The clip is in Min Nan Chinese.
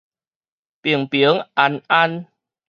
平平安安